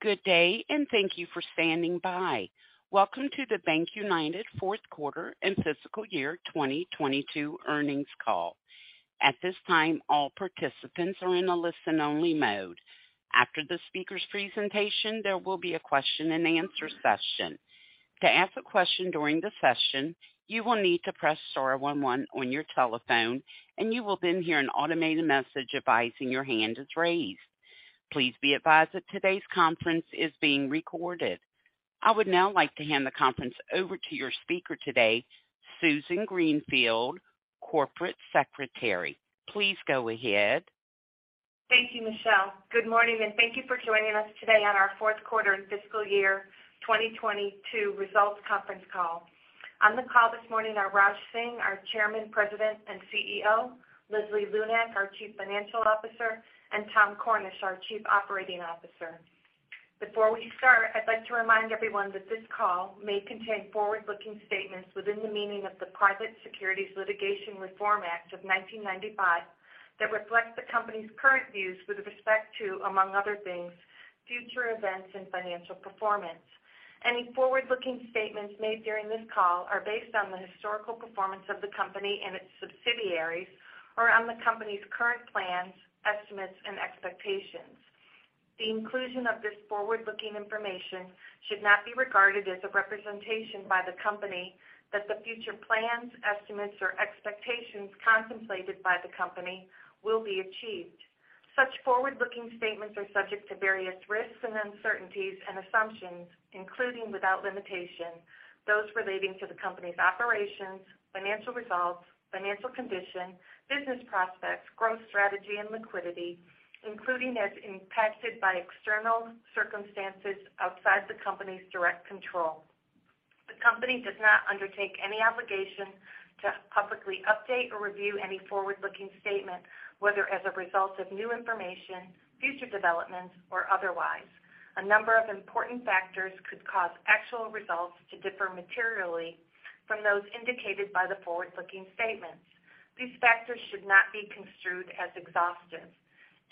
Good day. Thank you for standing by. Welcome to the BankUnited fourth quarter and fiscal year 2022 earnings call. At this time, all participants are in a listen only mode. After the speaker's presentation, there will be a question and answer session. To ask a question during the session, you will need to press star 11 on your telephone, and you will then hear an automated message advising your hand is raised. Please be advised that today's conference is being recorded. I would now like to hand the conference over to your speaker today, Susan Greenfield, Corporate Secretary. Please go ahead. Thank you, Michelle. Good morning. Thank you for joining us today on our fourth quarter and fiscal year 2022 results conference call. On the call this morning are Raj Singh, our Chairman, President, and CEO, Leslie Lunak, our Chief Financial Officer, and Tom Cornish, our Chief Operating Officer. Before we start, I'd like to remind everyone that this call may contain forward-looking statements within the meaning of the Private Securities Litigation Reform Act of 1995 that reflect the company's current views with respect to, among other things, future events and financial performance. Any forward-looking statements made during this call are based on the historical performance of the company and its subsidiaries or on the company's current plans, estimates, and expectations. The inclusion of this forward-looking information should not be regarded as a representation by the company that the future plans, estimates, or expectations contemplated by the company will be achieved. Such forward-looking statements are subject to various risks and uncertainties and assumptions, including without limitation, those relating to the company's operations, financial results, financial condition, business prospects, growth strategy, and liquidity, including as impacted by external circumstances outside the company's direct control. The company does not undertake any obligation to publicly update or review any forward-looking statement, whether as a result of new information, future developments, or otherwise. A number of important factors could cause actual results to differ materially from those indicated by the forward-looking statements. These factors should not be construed as exhaustive.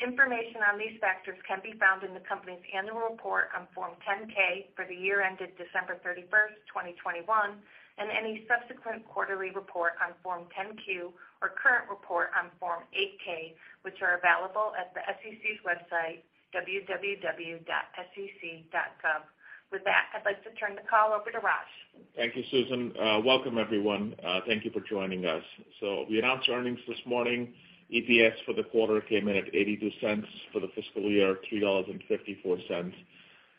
Information on these factors can be found in the company's annual report on Form 10-K for the year ended December 31st, 2021, and any subsequent quarterly report on Form 10-Q or current report on Form 8-K, which are available at the SEC's website, www.sec.com. That, I'd like to turn the call over to Raj. Thank you, Susan. Welcome everyone. Thank you for joining us. We announced earnings this morning. EPS for the quarter came in at $0.82. For the fiscal year, $3.54.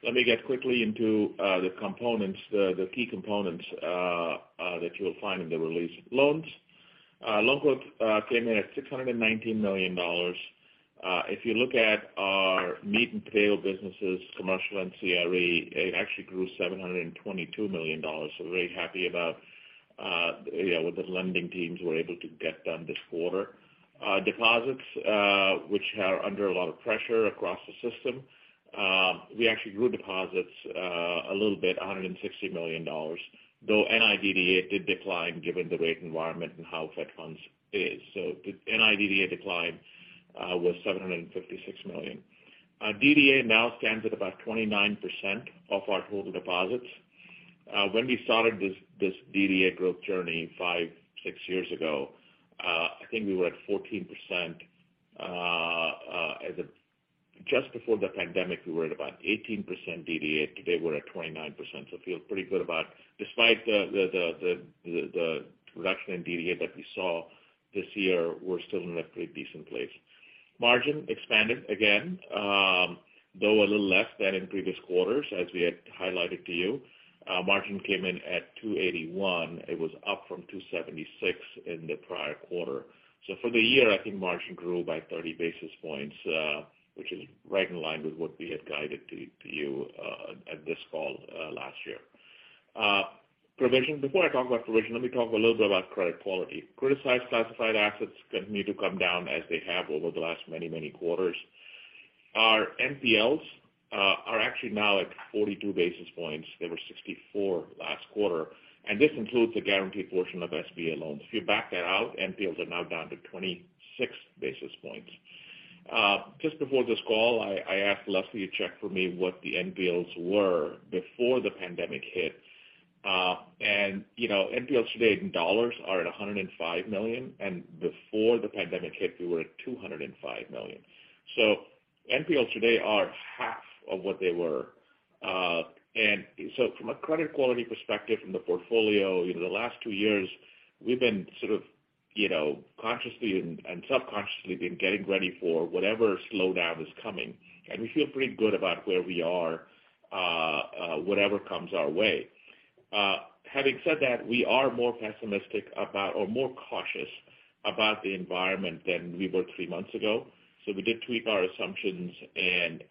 Let me get quickly into the key components that you'll find in the release. Loans. Loan growth came in at $619 million. If you look at our meat and tail businesses, commercial and CRE, it actually grew $722 million. We're very happy about, you know, what the lending teams were able to get done this quarter. Deposits, which are under a lot of pressure across the system. We actually grew deposits a little bit, $160 million, though NIDDA did decline given the rate environment and how Fed funds is. The NIDDA decline was $756 million. Our DDA now stands at about 29% of our total deposits. When we started this DDA growth journey five, six years ago, I think we were at 14%. As of just before the pandemic, we were at about 18% DDA. Today, we're at 29%. Feel pretty good about despite the reduction in DDA that we saw this year, we're still in a pretty decent place. Margin expanded again, though a little less than in previous quarters, as we had highlighted to you. Margin came in at 281. It was up from 276 in the prior quarter. For the year, I think margin grew by 30 basis points, which is right in line with what we had guided to you, at this call, last year. Provision. Before I talk about provision, let me talk a little bit about credit quality. Criticized classified assets continue to come down as they have over the last many, many quarters. Our NPLs are actually now at 42 basis points. They were 64 last quarter, and this includes the guaranteed portion of SBA loans. If you back that out, NPLs are now down to 26 basis points. Just before this call, I asked Leslie to check for me what the NPLs were before the pandemic hit. you know, NPLs today in dollars are at $105 million, and before the pandemic hit, we were at $205 million. NPLs today are half of what they were. from a credit quality perspective, from the portfolio, you know, the last two years we've been sort of, you know, consciously and subconsciously been getting ready for whatever slowdown is coming. We feel pretty good about where we are, whatever comes our way. Having said that, we are more pessimistic about or more cautious about the environment than we were three months ago. We did tweak our assumptions and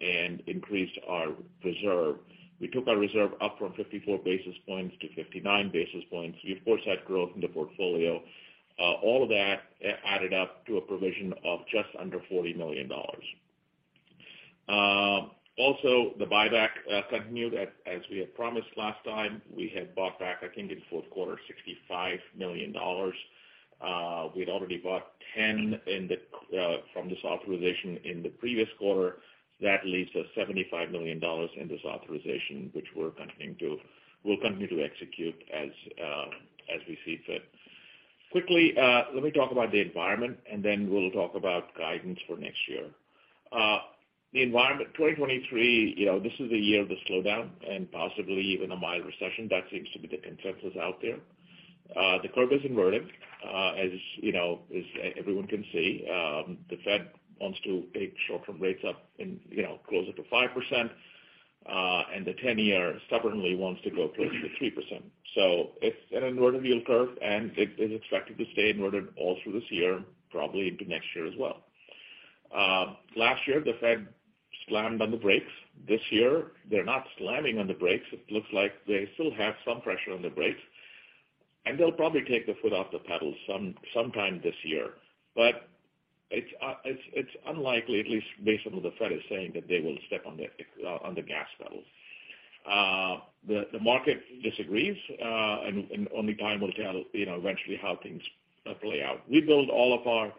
increased our reserve. We took our reserve up from 54 basis points - 59 basis points. We of course had growth in the portfolio. All of that added up to a provision of just under $40 million. Also the buyback continued as we had promised last time. We had bought back, I think in the fourth quarter, $65 million. We'd already bought $10 million from this authorization in the previous quarter. That leaves us $75 million in this authorization, which we'll continue to execute as we see fit. Quickly, let me talk about the environment, and then we'll talk about guidance for next year. The environment, 2023, you know, this is the year of the slowdown and possibly even a mild recession. That seems to be the consensus out there. The curve is inverting, as, you know, as everyone can see. The Fed wants to take short-term rates up in, you know, closer to 5%, and the 10-year stubbornly wants to go closer to 3%. It's an inverted yield curve, and it is expected to stay inverted all through this year, probably into next year as well. Last year, the Fed slammed on the brakes. This year, they're not slamming on the brakes. It looks like they still have some pressure on the brakes, and they'll probably take the foot off the pedal sometime this year. It's unlikely, at least based on what the Fed is saying, that they will step on the gas pedal. The market disagrees, only time will tell, you know, eventually how things play out. We build all of our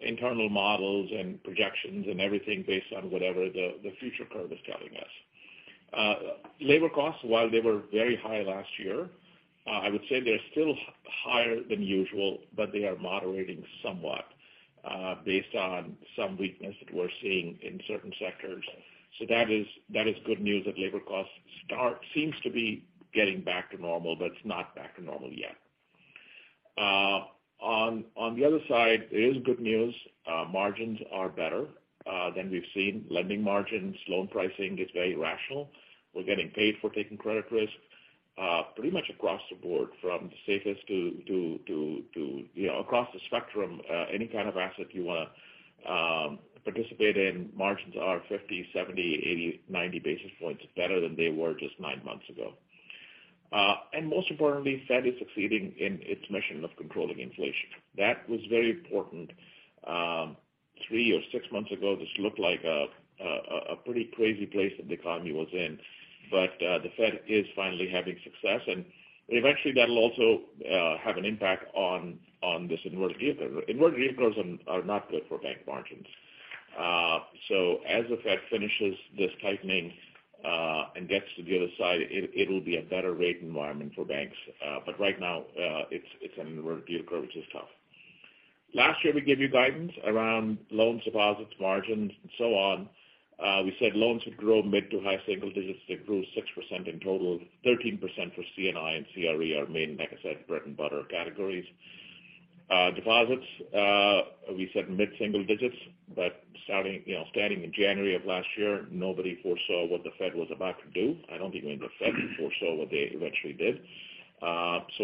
internal models and projections and everything based on whatever the future curve is telling us. Labor costs, while they were very high last year, I would say they're still higher than usual, but they are moderating somewhat, based on some weakness that we're seeing in certain sectors. That is good news that labor costs seems to be getting back to normal. It's not back to normal yet. On the other side is good news. Margins are better than we've seen. Lending margins, loan pricing is very rational. We're getting paid for taking credit risk, pretty much across the board from the safest to, you know, across the spectrum, any kind of asset you wanna participate in, margins are 50, 70, 80, 90 basis points better than they were just nine months ago. Most importantly, Fed is succeeding in its mission of controlling inflation. That was very important. Three or six months ago, this looked like a pretty crazy place that the economy was in. The Fed is finally having success, and eventually that'll also have an impact on this inverted yield curve. Inverted yield curves are not good for bank margins. As the Fed finishes this tightening, and gets to the other side, it'll be a better rate environment for banks. Right now, it's an inverted yield curve, which is tough. Last year, we gave you guidance around loans, deposits, margins and so on. We said loans would grow mid to high single digits. They grew 6% in total, 13% for C&I and CRE, our main, like I said, bread and butter categories. Deposits, we said mid-single digits, but starting, you know, standing in January of last year, nobody foresaw what the Fed was about to do. I don't think even the Fed foresaw what they eventually did.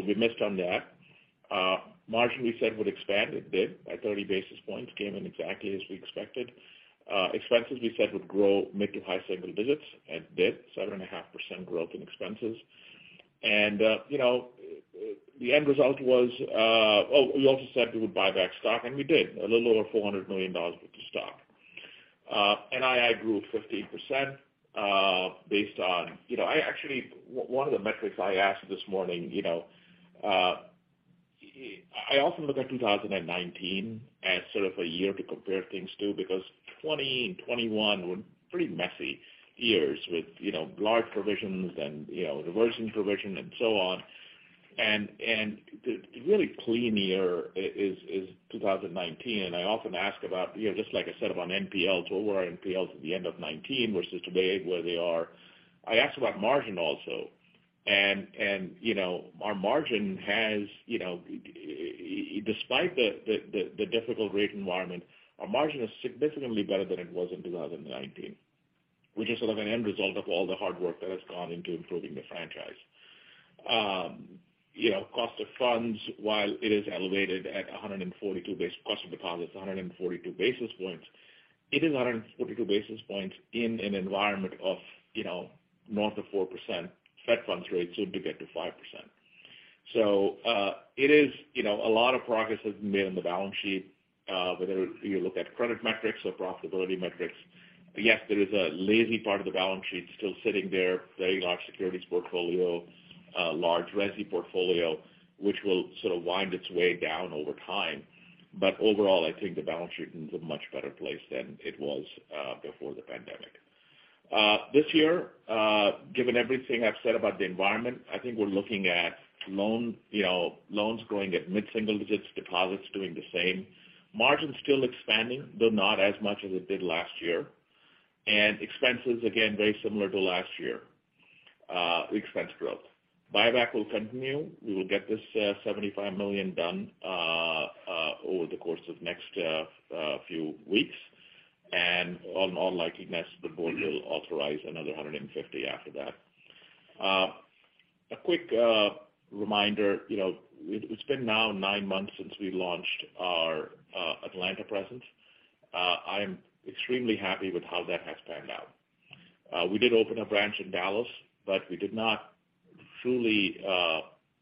We missed on that. Margin we said would expand. It did by 30 basis points, came in exactly as we expected. Expenses we said would grow mid to high single digits, and it did, 7.5% growth in expenses. You know, the end result was. Oh, we also said we would buy back stock, and we did, a little over $400 million worth of stock. NII grew 15% based on. You know, I actually One of the metrics I asked this morning, you know, I often look at 2019 as sort of a year to compare things to because 2020 and 2021 were pretty messy years with, you know, large provisions and, you know, diversion provision and so on. The really clean year is 2019. I often ask about, you know, just like I said on NPLs, what were our NPLs at the end of 2019 versus today, where they are. I ask about margin also. You know, our margin has, you know. Despite the difficult rate environment, our margin is significantly better than it was in 2019, which is sort of an end result of all the hard work that has gone into improving the franchise. you know, cost of funds, while it is elevated at cost of deposit 142 basis points, it is 142 basis points in an environment of, you know, north of 4%. Fed funds rate soon to get to 5%. it is, you know, a lot of progress has been made on the balance sheet, whether you look at credit metrics or profitability metrics. Yes, there is a lazy part of the balance sheet still sitting there, very large securities portfolio, large resi portfolio, which will sort of wind its way down over time. Overall, I think the balance sheet is in a much better place than it was before the pandemic. This year, given everything I've said about the environment, I think we're looking at loan, you know, loans growing at mid-single digits, deposits doing the same. Margins still expanding, though not as much as it did last year. Expenses, again, very similar to last year, expense growth. Buyback will continue. We will get this $75 million done over the course of next few weeks. On all likeliness, the board will authorize another $150 million after that. A quick reminder, you know, it's been now nine months since we launched our Atlanta presence. I am extremely happy with how that has panned out. We did open a branch in Dallas, we did not truly,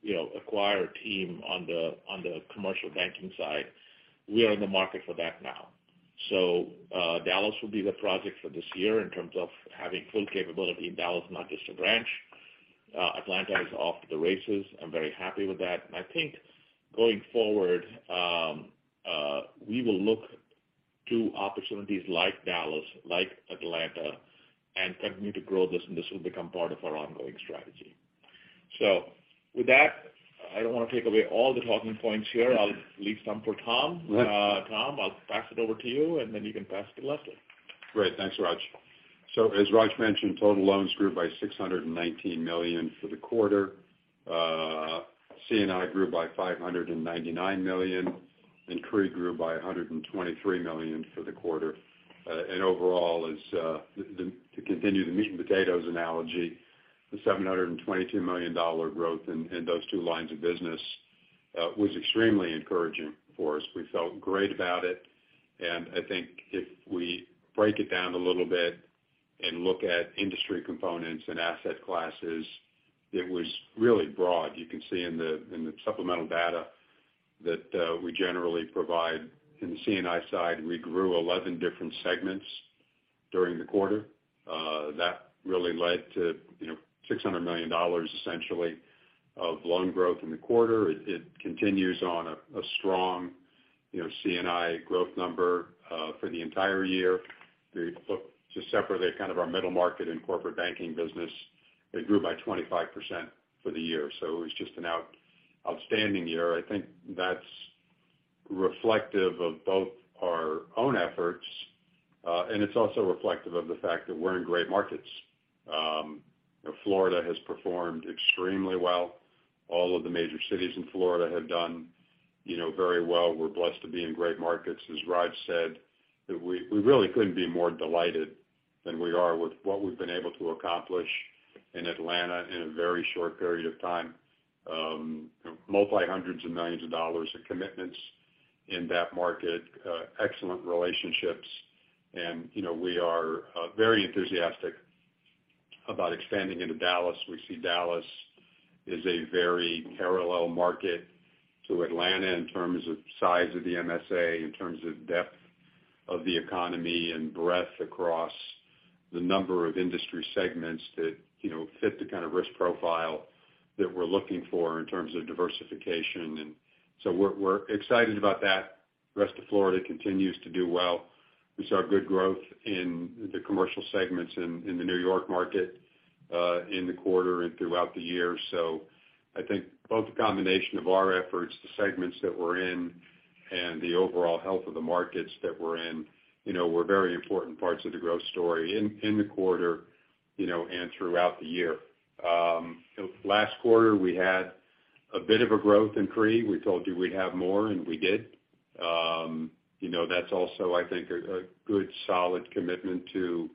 you know, acquire a team on the commercial banking side. We are in the market for that now. Dallas will be the project for this year in terms of having full capability in Dallas, not just a branch. Atlanta is off to the races. I'm very happy with that. I think going forward, we will look to opportunities like Dallas, like Atlanta, and continue to grow this, and this will become part of our ongoing strategy. With that, I don't wanna take away all the talking points here. I'll leave some for Tom. Right. Tom, I'll pass it over to you, and then you can pass to Leslie. Great. Thanks, Raj. As Raj mentioned, total loans grew by $619 million for the quarter. C&I grew by $599 million, CRE grew by $123 million for the quarter. Overall is, to continue the meat and potatoes analogy, the $722 million growth in those two lines of business was extremely encouraging for us. We felt great about it, I think if we break it down a little bit and look at industry components and asset classes, it was really broad. You can see in the supplemental data that we generally provide. In the C&I side, we grew 11 different segments during the quarter. That really led to, you know, $600 million essentially of loan growth in the quarter. It continues on a strong, you know, C&I growth number for the entire year. To separate the kind of our middle market and corporate banking business, it grew by 25% for the year. It was just an outstanding year. I think that's reflective of both our own efforts, and it's also reflective of the fact that we're in great markets. you know, Florida has performed extremely well. All of the major cities in Florida have done, you know, very well. We're blessed to be in great markets. As Raj said, we really couldn't be more delighted than we are with what we've been able to accomplish in Atlanta in a very short period of time. you know, multiple hundreds of millions of dollars in commitments in that market, excellent relationships. You know, we are very enthusiastic about expanding into Dallas. We see Dallas as a very parallel market to Atlanta in terms of size of the MSA, in terms of depth of the economy and breadth across the number of industry segments that, you know, fit the kind of risk profile that we're looking for in terms of diversification. We're, we're excited about that. Rest of Florida continues to do well. We saw good growth in the commercial segments in the New York market, in the quarter and throughout the year. I think both the combination of our efforts, the segments that we're in, and the overall health of the markets that we're in, you know, were very important parts of the growth story in the quarter, you know, and throughout the year. Last quarter, we had a bit of a growth in CRE. We told you we'd have more, and we did. you know, that's also, I think, a good solid commitment to,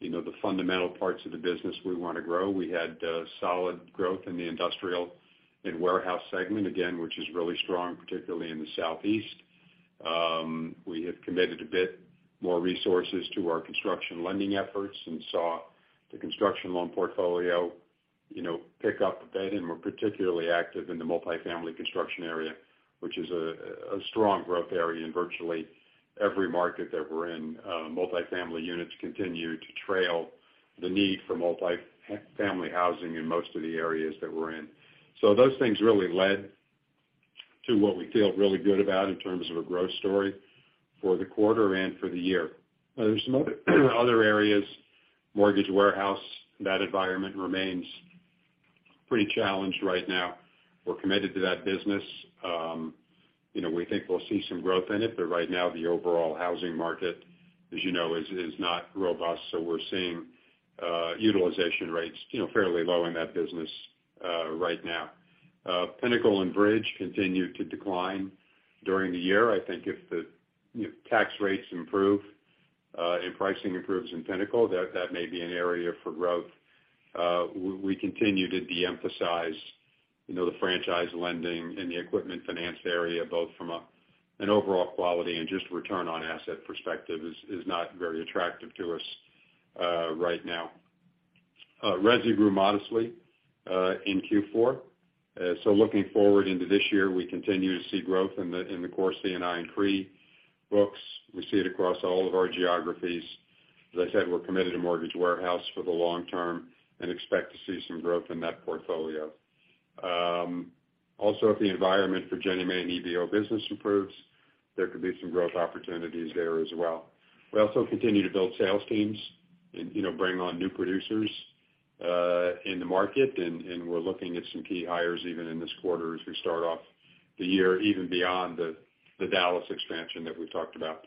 you know, the fundamental parts of the business we wanna grow. We had solid growth in the industrial and warehouse segment, again, which is really strong, particularly in the southeast. We have committed a bit more resources to our construction lending efforts and saw the construction loan portfolio, you know, pick up a bit. We're particularly active in the multifamily construction area, which is a strong growth area in virtually every market that we're in. Multifamily units continue to trail the need for multifamily housing in most of the areas that we're in. Those things really led to what we feel really good about in terms of a growth story for the quarter and for the year. There's some other areas. Mortgage warehouse, that environment remains pretty challenged right now. We're committed to that business. You know, we think we'll see some growth in it, but right now the overall housing market, as you know, is not robust. We're seeing utilization rates, you know, fairly low in that business right now. Pinnacle and Bridge continued to decline during the year. I think if the, you know, tax rates improve and pricing improves in Pinnacle, that may be an area for growth. We continue to de-emphasize, you know, the franchise lending and the equipment finance area, both from an overall quality and just return on asset perspective is not very attractive to us, right now. Resi grew modestly in Q4. Looking forward into this year, we continue to see growth in the core C&I and CRE books. We see it across all of our geographies. As I said, we're committed to mortgage warehouse for the long term and expect to see some growth in that portfolio. If the environment for genuine EVO business improves, there could be some growth opportunities there as well. We also continue to build sales teams and, you know, bring on new producers in the market. We're looking at some key hires even in this quarter as we start off the year, even beyond the Dallas expansion that we've talked about.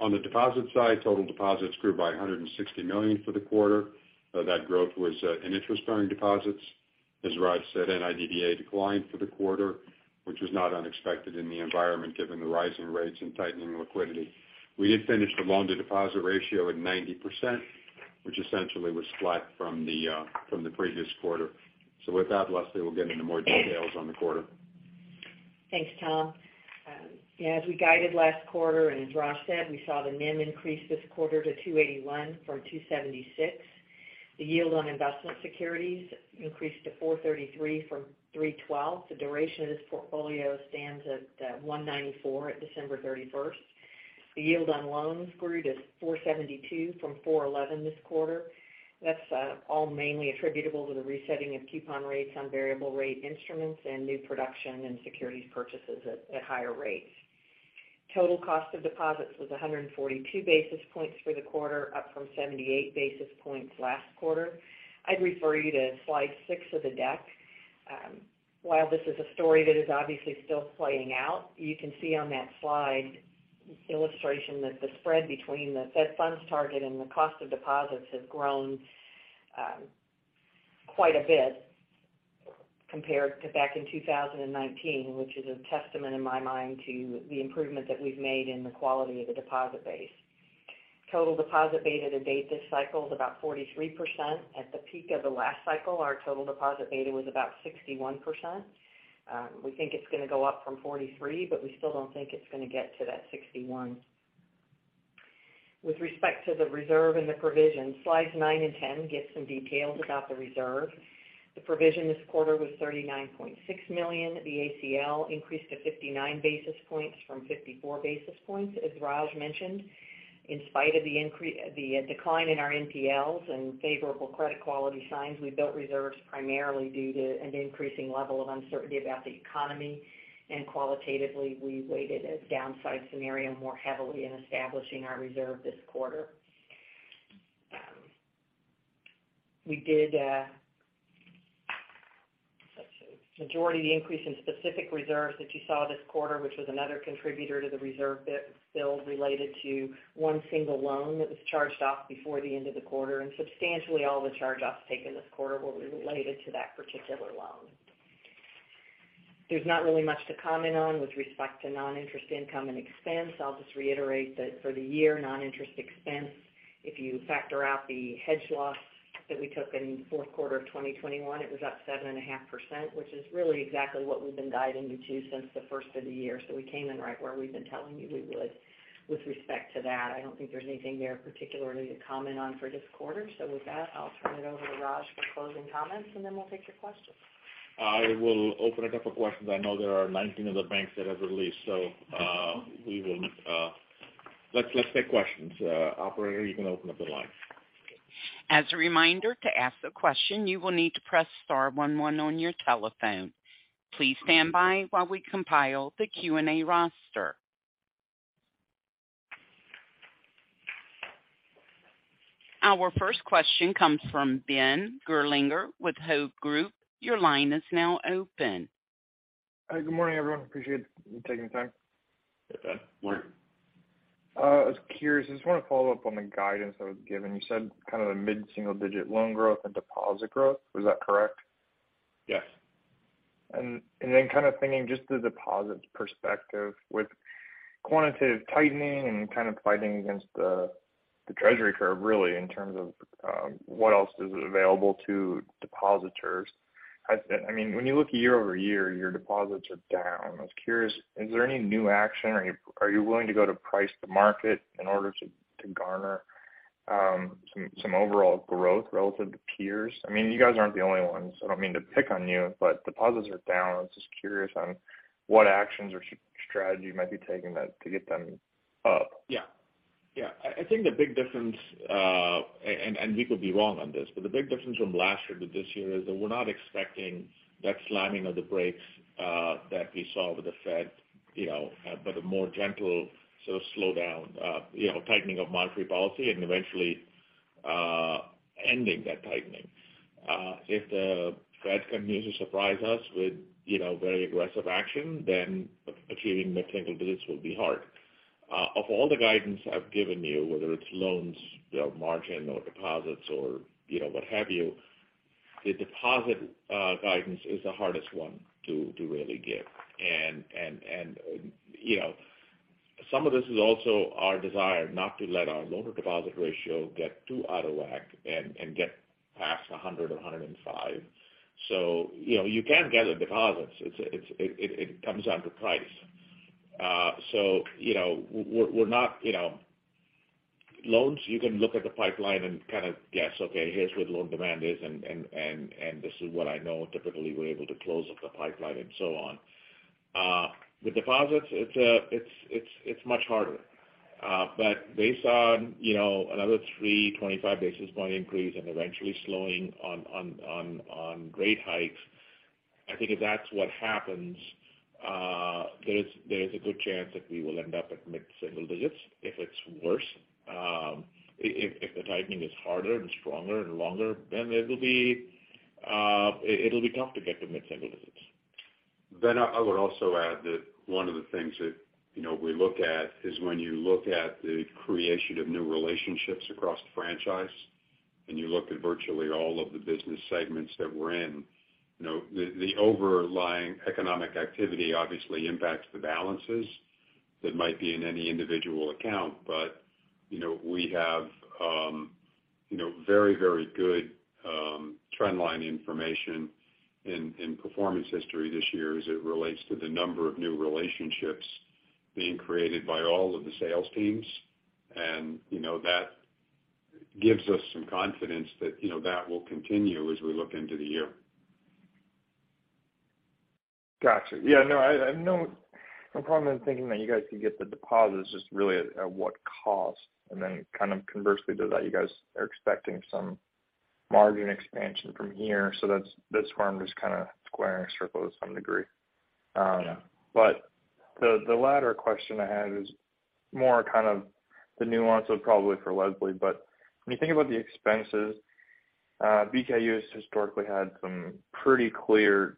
On the deposit side, total deposits grew by $160 million for the quarter. That growth was in interest-bearing deposits. As Raj said, NIDDA declined for the quarter, which was not unexpected in the environment given the rising rates and tightening liquidity. We did finish the loan-to-deposit ratio at 90%, which essentially was flat from the previous quarter. With that, Leslie, we'll get into more details on the quarter. Thanks, Tom. Yeah, as we guided last quarter and as Raj said, we saw the NIM increase this quarter to 2.81% from 2.76%. The yield on investment securities increased to 4.33% from 3.12%. The duration of this portfolio stands at 1.94 at December 31st. The yield on loans grew to 4.72% from 4.11% this quarter. That's all mainly attributable to the resetting of coupon rates on variable rate instruments and new production and securities purchases at higher rates. Total cost of deposits was 142 basis points for the quarter, up from 78 basis points last quarter. I'd refer you to slide six of the deck. While this is a story that is obviously still playing out, you can see on that slide illustration that the spread between the Fed funds target and the cost of deposits has grown quite a bit compared to back in 2019, which is a testament in my mind to the improvement that we've made in the quality of the deposit base. Total deposit beta to date this cycle is about 43%. At the peak of the last cycle, our total deposit beta was about 61%. We think it's gonna go up from 43, but we still don't think it's gonna get to that 61.With respect to the reserve and the provision, slides nine and 10 give some details about the reserve. The provision this quarter was $39.6 million. The ACL increased to 59 basis points from 54 basis points, as Raj mentioned. In spite of the decline in our NPLs and favorable credit quality signs, we built reserves primarily due to an increasing level of uncertainty about the economy. Qualitatively, we weighted a downside scenario more heavily in establishing our reserve this quarter. We did, let's see. Majority of the increase in specific reserves that you saw this quarter, which was another contributor to the reserve build related to one single loan that was charged off before the end of the quarter, and substantially all the charge-offs taken this quarter were related to that particular loan. There's not really much to comment on with respect to non-interest income and expense. I'll just reiterate that for the year non-interest expense, if you factor out the hedge loss that we took in fourth quarter of 2021, it was up 7.5%, which is really exactly what we've been guiding you to since the first of the year. We came in right where we've been telling you we would with respect to that. I don't think there's anything there particularly to comment on for this quarter. With that, I'll turn it over to Raj for closing comments, and then we'll take your questions. I will open it up for questions. I know there are 19 other banks that have released, we will. Let's take questions. Operator, you can open up the line. As a reminder, to ask a question, you will need to press star one one on your telephone. Please stand by while we compile the Q&A roster. Our first question comes from Ben Gerlinger with Hovde Group. Your line is now open. Hi, good morning, everyone. Appreciate you taking the time. Hey, Ben. Morning. I was curious, I just wanna follow up on the guidance that was given. You said kind of a mid-single digit loan growth and deposit growth. Was that correct? Yes. Then kind of thinking just the deposits perspective. With quantitative tightening and kind of fighting against the Treasury curve really in terms of what else is available to depositors, I mean, when you look year over year, your deposits are down. I was curious, is there any new action? Are you willing to go to price to market in order to garner some overall growth relative to peers? I mean, you guys aren't the only ones, so I don't mean to pick on you, but deposits are down. I was just curious on what actions or strategy you might be taking to get them up. Yeah. Yeah. I think the big difference, and we could be wrong on this, but the big difference from last year to this year is that we're not expecting that slamming of the brakes, that we saw with the Fed, you know, but a more gentle sort of slowdown, you know, tightening of monetary policy and eventually, ending that tightening. If the Fed continues to surprise us with, you know, very aggressive action, then achieving mid-single digits will be hard. Of all the guidance I've given you, whether it's loans, you know, margin or deposits or, you know, what have you, the deposit, guidance is the hardest one to really give. You know, some of this is also our desire not to let our loan to deposit ratio get too out of whack and get past 100 or 105. You know, you can get the deposits. It comes down to price. You know, we're not, you know. Loans, you can look at the pipeline and kind of guess, okay, here's where the loan demand is and this is what I know typically we're able to close off the pipeline and so on. With deposits, it's much harder. Based on, you know, another 325 basis point increase and eventually slowing on rate hikes, I think if that's what happens, there is a good chance that we will end up at mid-single digits. If it's worse, if the tightening is harder and stronger and longer, then it'll be tough to get to mid-single digits. Ben, I would also add that one of the things that, you know, we look at is when you look at the creation of new relationships across the franchise, and you look at virtually all of the business segments that we're in, you know, the overlying economic activity obviously impacts the balances that might be in any individual account. You know, we have, you know, very, very good, trend line information in performance history this year as it relates to the number of new relationships being created by all of the sales teams. You know, that gives us some confidence that, you know, that will continue as we look into the year. Gotcha. Yeah, no, I have no problem in thinking that you guys could get the deposits, just really at what cost. Kind of conversely to that, you guys are expecting some margin expansion from here, that's where I'm just kind of squaring a circle to some degree. The latter question I had is more kind of the nuance of probably for Leslie Lunak. When you think about the expenses, BKU has historically had some pretty clear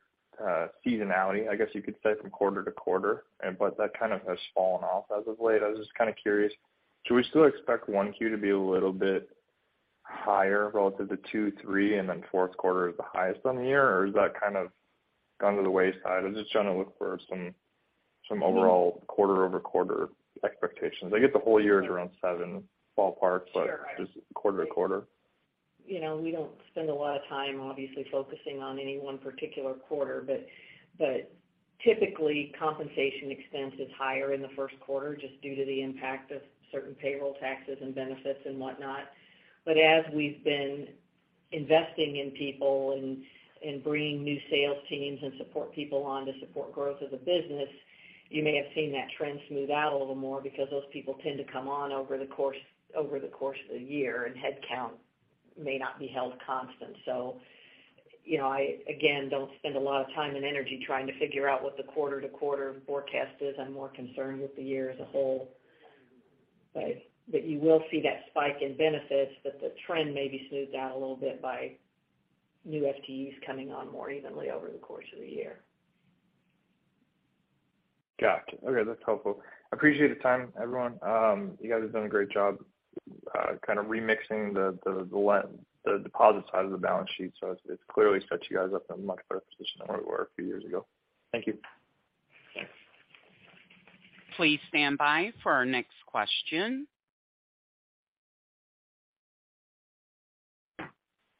seasonality, I guess you could say from quarter to quarter that kind of has fallen off as of late. I was just kind of curious, should we still expect one Q to be a little bit higher relative to two, three, and then fourth quarter is the highest on the year? Has that kind of gone to the wayside? I'm just trying to look for some overall quarter-over-quarter expectations. I get the whole year is around $7 ballpark. Sure. just quarter-to-quarter. You know, we don't spend a lot of time obviously focusing on any one particular quarter, but typically compensation expense is higher in the first quarter just due to the impact of certain payroll taxes and benefits and whatnot. As we've been investing in people and bringing new sales teams and support people on to support growth of the business, you may have seen that trend smooth out a little more because those people tend to come on over the course of the year, and headcount may not be held constant. You know, I, again, don't spend a lot of time and energy trying to figure out what the quarter to quarter forecast is. I'm more concerned with the year as a whole. You will see that spike in benefits, but the trend may be smoothed out a little bit by new FTEs coming on more evenly over the course of the year. Gotcha. Okay, that's helpful. I appreciate the time, everyone. You guys have done a great job, kind of remixing the deposit side of the balance sheet. It's clearly set you guys up in a much better position than where we were a few years ago. Thank you. Thanks. Please stand by for our next question.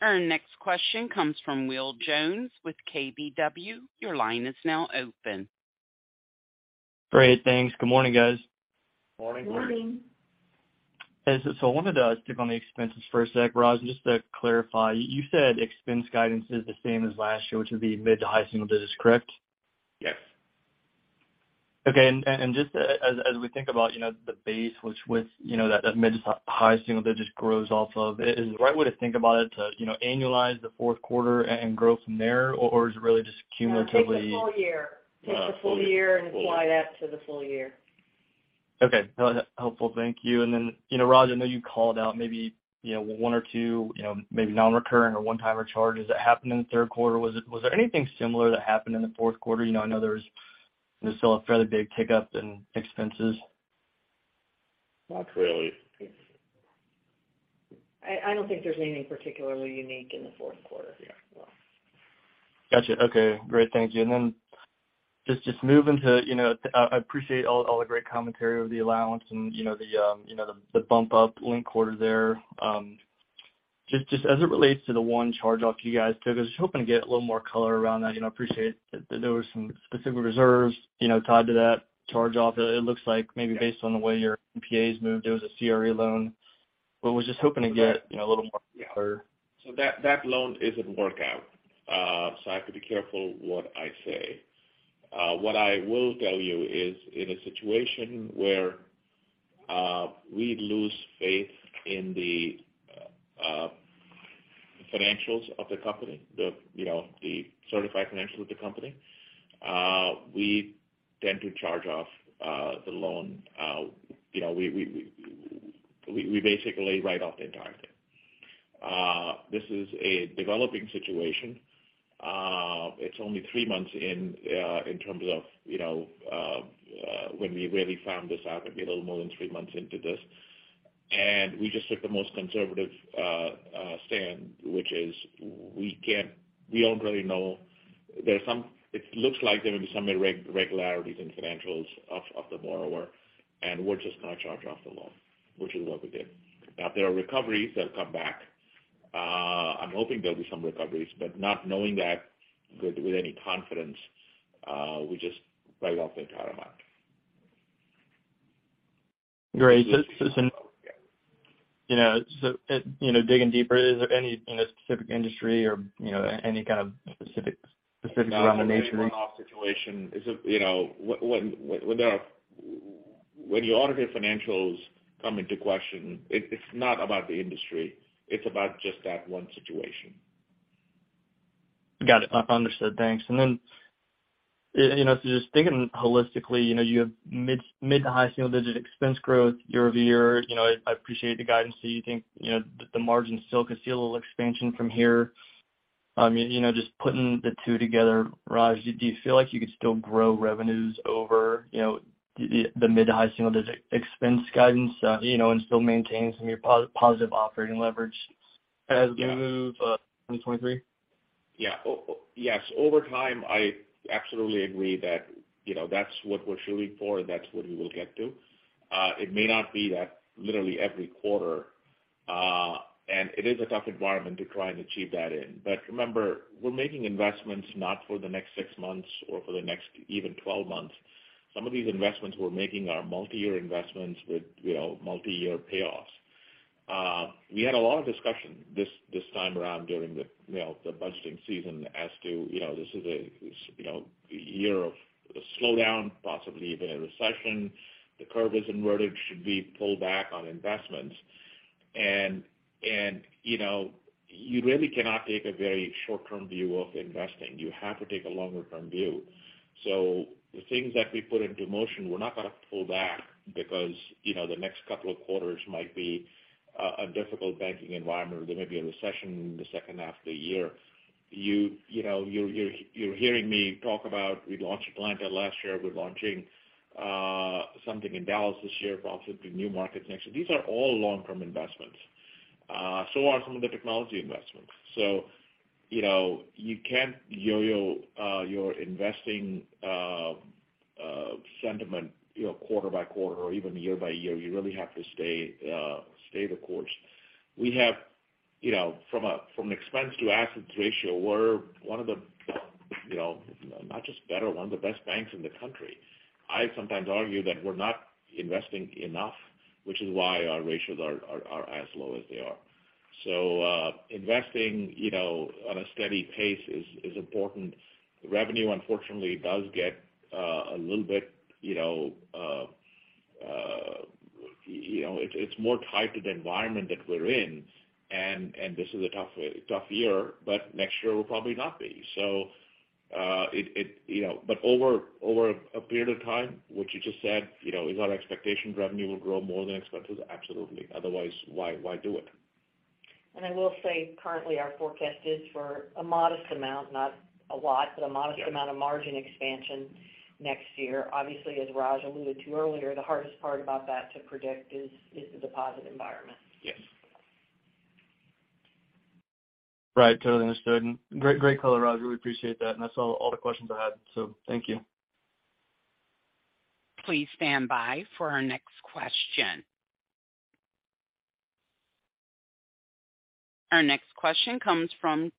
Our next question comes from Will Jones with KBW. Your line is now open. Great. Thanks. Good morning, guys. Morning. Morning. I wanted to dip on the expenses for a sec, Raj, just to clarify. You said expense guidance is the same as last year, which would be mid to high single digits, correct? Yes. Okay. Just as we think about, you know, the base, which with, you know, that mid to high single digits grows off of, is the right way to think about it to, you know, annualize the fourth quarter and grow from there, or is it really just cumulatively? No, take the full year. Take the full year and apply that to the full year. Okay. No, helpful. Thank you. Raj, I know you called out maybe, you know, one or two, you know, maybe non-recurring or one-timer charges that happened in the third quarter. Was there anything similar that happened in the fourth quarter? I know there was still a fairly big tick up in expenses. Not really. I don't think there's anything particularly unique in the fourth quarter. Yeah. Well. Gotcha. Okay, great. Thank you. Then just moving to, you know, I appreciate all the great commentary over the allowance and, you know, the, you know, the bump up linked quarter there. Just as it relates to the one charge off you guys took, I was just hoping to get a little more color around that. You know, I appreciate that there was some specific reserves, you know, tied to that charge off. It looks like maybe based on the way your NPAs moved, it was a CRE loan. Was just hoping to get, you know, a little more color. That loan is a workout, so I have to be careful what I say. What I will tell you is in a situation where we lose faith in the financials of the company, the, you know, the certified financials of the company, we tend to charge off the loan. You know, we basically write off the entire thing. This is a developing situation. It's only three months in terms of, you know, when we really found this out, maybe a little more than three months into this. We just took the most conservative stand, which is we don't really know. There's it looks like there may be some irregularities in financials of the borrower. We're just gonna charge off the loan, which is what we did. If there are recoveries, they'll come back. I'm hoping there'll be some recoveries, but not knowing that with any confidence, we just write off the entire amount. Great. Just, you know, so, you know, digging deeper, is there any, you know, specific industry or, you know, any kind of specific denomination? No, it's a one-off situation. It's a, you know, when the audited financials come into question, it's not about the industry, it's about just that one situation. Got it. Understood. Thanks. know, so just digging holistically, you know, you have mid to high single-digit expense growth year-over-year. You know, I appreciate the guidance. You think, you know, the margin still could see a little expansion from here. You know, just putting the two together, Raj, do you feel like you could still grow revenues over, you know, the mid to high single-digit expense guidance, you know, and still maintain some of your positive operating leverage as we move 2023? Yeah. Over time, I absolutely agree that, you know, that's what we're shooting for, that's what we will get to. It may not be that literally every quarter, and it is a tough environment to try and achieve that in. Remember, we're making investments not for the next six months or for the next even 12 months. Some of these investments we're making are multi-year investments with, you know, multi-year payoffs. We had a lot of discussion this time around during the, you know, the budgeting season as to, you know, this is a, you know, year of slowdown, possibly even a recession. The curve is inverted, should we pull back on investments? You know, you really cannot take a very short-term view of investing. You have to take a longer term view. The things that we put into motion, we're not gonna pull back because, you know, the next couple of quarters might be a difficult banking environment or there may be a recession in the second half of the year. You know, you're hearing me talk about we launched Atlanta last year. We're launching something in Dallas this year, possibly new markets next year. These are all long-term investments. So are some of the technology investments. You know, you can't yo-yo your investing sentiment, you know, quarter by quarter or even year by year. You really have to stay the course. We have, you know, from an expense to assets ratio, we're one of the, you know, not just better, one of the best banks in the country. I sometimes argue that we're not investing enough, which is why our ratios are as low as they are. Investing, you know, on a steady pace is important. Revenue, unfortunately, does get a little bit, you know, it's more tied to the environment that we're in and this is a tough way, tough year, but next year will probably not be. It, you know, but over a period of time, what you just said, you know, is our expectation revenue will grow more than expenses? Absolutely. Otherwise, why do it? I will say currently our forecast is for a modest amount, not a lot, but a modest amount of margin expansion next year. Obviously, as Raj alluded to earlier, the hardest part about that to predict is the deposit environment. Yes. Right. Totally understood. Great, great color, Raj. Really appreciate that. That's all the questions I had. Thank you. Please stand by for our next question. Our next question comes from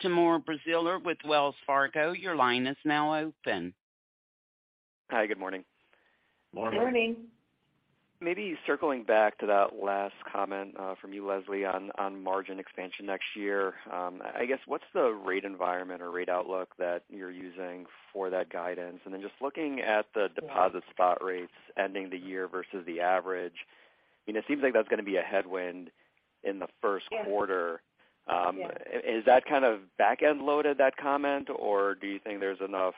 Timur Braziler with Wells Fargo. Your line is now open. Hi. Good morning. Morning. Good morning. Maybe circling back to that last comment, from you, Leslie, on margin expansion next year. I guess what's the rate environment or rate outlook that you're using for that guidance? Just looking at the deposit spot rates ending the year versus the average, I mean, it seems like that's gonna be a headwind in the first quarter. Yes. Yes. Is that kind of back-end loaded, that comment, or do you think there's enough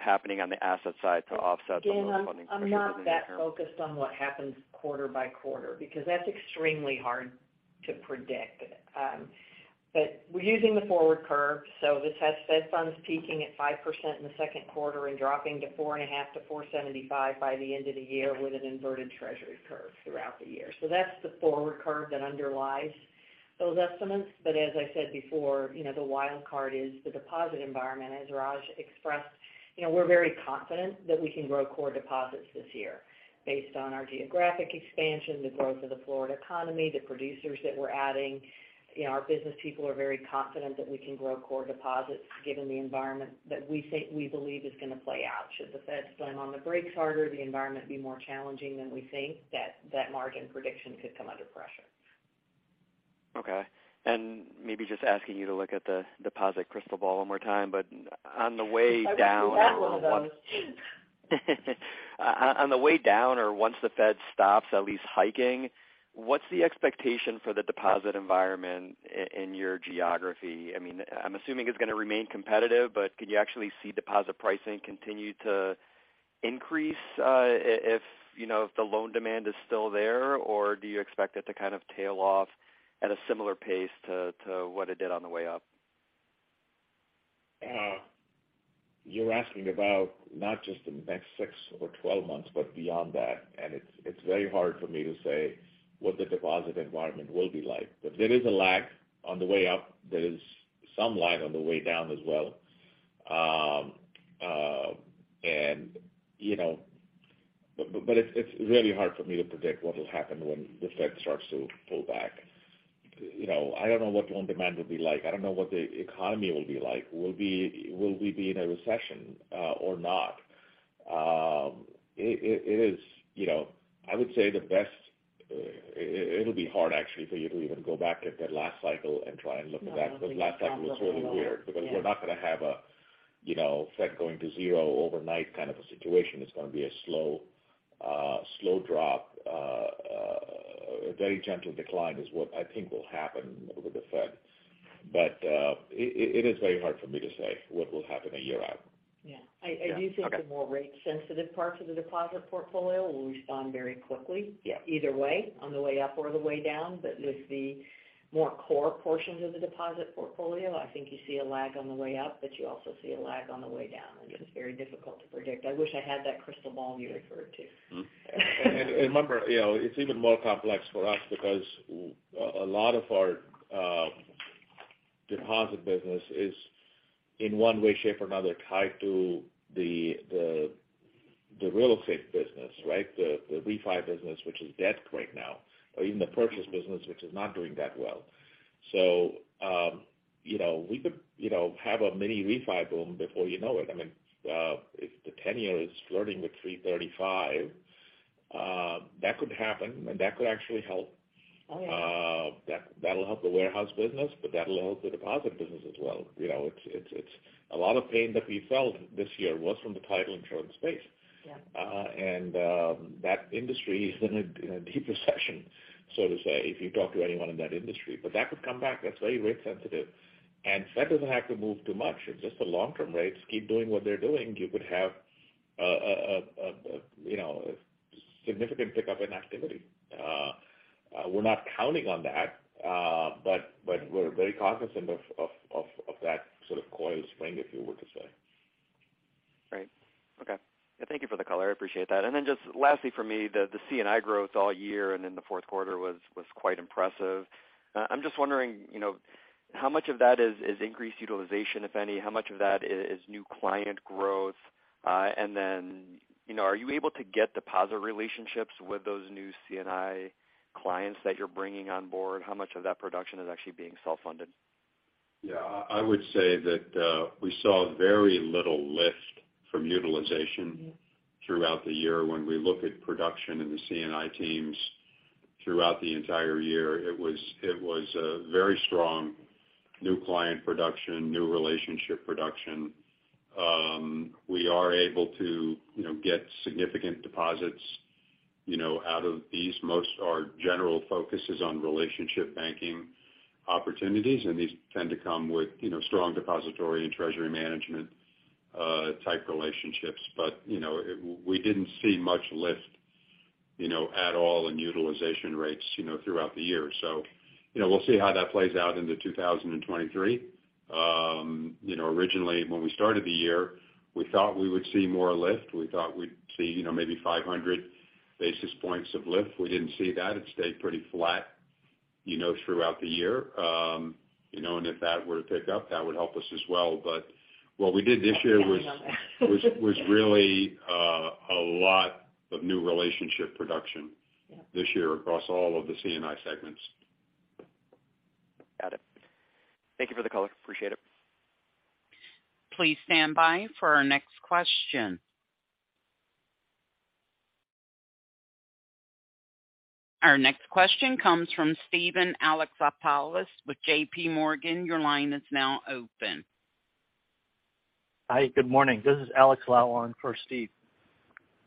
happening on the asset side to offset some of those funding pressures that you hear? Again, I'm not that focused on what happens quarter by quarter because that's extremely hard to predict. We're using the forward curve. This has Fed funds peaking at 5% in the 2Q and dropping to 4.5%-4.75% by the end of the year with an inverted treasury curve throughout the year. That's the forward curve that underlies those estimates. As I said before, you know, the wild card is the deposit environment. As Raj expressed, you know, we're very confident that we can grow core deposits this year based on our geographic expansion, the growth of the Florida economy, the producers that we're adding. You know, our business people are very confident that we can grow core deposits given the environment that we think, we believe is gonna play out. Should the Fed slam on the brakes harder, the environment be more challenging than we think, that margin prediction could come under pressure. Okay. Maybe just asking you to look at the deposit crystal ball one more time. On the way down or once. I wish we had one of those. On the way down or once the Fed stops at least hiking, what's the expectation for the deposit environment in your geography? I mean, I'm assuming it's gonna remain competitive, but could you actually se deposit pricing continue to increase, if, you know, if the loan demand is still there? Do you expect it to kind of tail off at a similar pace to what it did on the way up? You're asking about not just the next six or 12 months but beyond that, and it's very hard for me to say what the deposit environment will be like. There is a lag on the way up. There is some lag on the way down as well. You know, but it's really hard for me to predict what will happen when the Fed starts to pull back. You know, I don't know what loan demand will be like. I don't know what the economy will be like. Will we be in a recession or not? It is, you know, I would say the best... it'll be hard actually for you to even go back at the last cycle and try and look at that because last cycle was really weird. No, I don't think you can look back at all. Yeah. We're not gonna have a, you know, Fed going to zero overnight kind of a situation. It's gonna be a slow drop. A very gentle decline is what I think will happen with the Fed. It is very hard for me to say what will happen a year out. Yeah. Yeah. Okay. I do think the more rate sensitive parts of the deposit portfolio will respond very quickly. Yeah... either way, on the way up or the way down. With the more core portions of the deposit portfolio, I think you see a lag on the way up, but you also see a lag on the way down. Yes. It's very difficult to predict. I wish I had that crystal ball you referred to. Remember, you know, it's even more complex for us because a lot of our deposit business is in one way, shape, or another tied to the real estate business, right? The refi business, which is dead right now, or even the purchase business, which is not doing that well. You know, we could, you know, have a mini refi boom before you know it. I mean, if the 10-year is flirting with 3.35, that could happen, and that could actually help. Oh, yeah. That'll help the warehouse business, but that'll help the deposit business as well. You know, it's a lot of pain that we felt this year was from the title insurance space.and that industry has been for a couple years Yeah if you talk to anyone in that industry. But that could come back. That's very rate sensitive. and that doesn't have to move too much. If just the long-term rates keep doing what they're doing, you could have a, a, you know, significant pickup in activity. Uh, uh, we're not counting on that, uh, but we're very cognizant of, of that sort of coiled spring, if you were to say Right. Okay. Thank you for the color. I appreciate that. Just lastly for me, the C&I growth all year and in the fourth quarter was quite impressive. I'm just wondering, you know, how much of that is increased utilization, if any? How much of that is new client growth? You know, are you able to get deposit relationships with those new C&I clients that you're bringing on board? How much of that production is actually being self-funded? Yeah. I would say that, we saw very little lift from utilization- Mm-hmm. -throughout the year. When we look at production in the C&I teams throughout the entire year, it was a very strong new client production, new relationship production. We are able to, you know, get significant deposits, you know, out of these. Most our general focus is on relationship banking opportunities, and these tend to come with, you know, strong depository and treasury management type relationships. We didn't see much lift, you know, at all in utilization rates, you know, throughout the year. We'll see how that plays out into 2023. Originally when we started the year, we thought we would see more lift. We thought we'd see, you know, maybe 500 basis points of lift. We didn't see that. It stayed pretty flat, you know, throughout the year. you know, if that were to pick up, that would help us as well. What we did this year. Got the number. was really, a lot of new relationship production Yeah. This year across all of the C&I segments. Got it. Thank you for the color. Appreciate it. Please stand by for our next question. Our next question comes from Steven Alexopoulos with JP Morgan. Your line is now open. Hi. Good morning. This is Alex Lau on for Steve.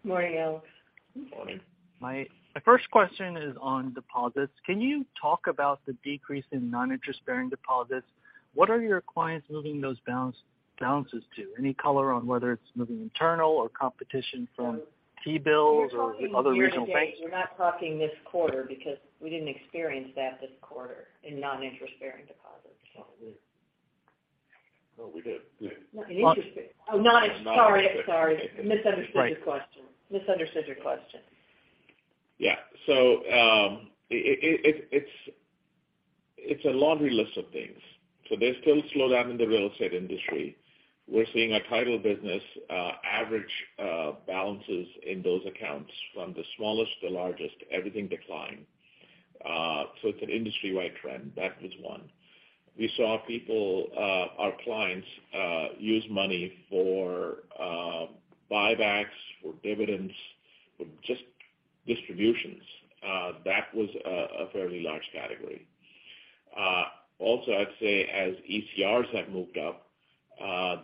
Morning, Alex. Good morning. My first question is on deposits. Can you talk about the decrease in non-interest-bearing deposits? What are your clients moving those balances to? Any color on whether it's moving internal or competition from T-bills or other regional banks? You're talking year to date. You're not talking this quarter because we didn't experience that this quarter in non-interest-bearing deposits. No, we did. Not in interest bearing. Oh, non-interest. Sorry. Misunderstood your question. It's a laundry list of things. There's still slowdown in the real estate industry. We're seeing our title business, average balances in those accounts from the smallest to largest, everything declined. It's an industry-wide trend. That was one. We saw people, our clients, use money for buybacks, for dividends, for just distributions. That was a fairly large category. Also I'd say as ECRs have moved up,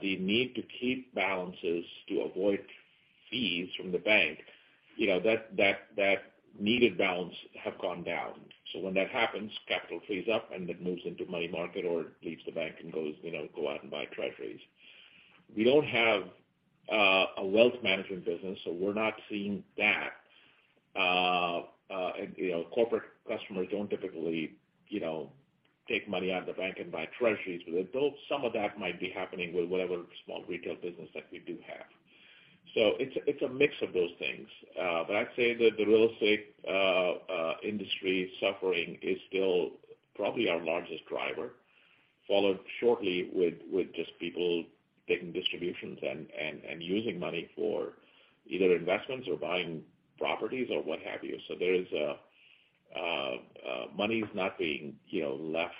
the need to keep balances to avoid fees from the bank, you know, that needed balance have gone down. When that happens, capital frees up and it moves into money market or leaves the bank and goes, you know, go out and buy treasuries. We don't have a wealth management business, so we're not seeing that. You know, corporate customers don't typically, you know, take money out of the bank and buy treasuries. Though some of that might be happening with whatever small retail business that we do have. It's a mix of those things. I'd say that the real estate industry suffering is still probably our largest driver, followed shortly with just people taking distributions and using money for either investments or buying properties or what have you. There is a money's not being, you know, left